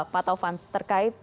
pak taufan terkait